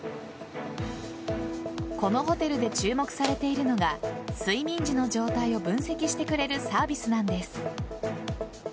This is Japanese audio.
このホテルで注目されているのが睡眠時の状態を分析してくれるサービスなんです。